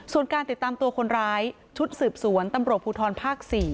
ส่วนการติดตามตัวคนร้ายชุดสืบสวนตำรวจภูทรภาค๔